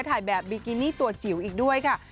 ถ่ายแบบบิกินี่ตัวจิ๋วอีกด้วยค่ะ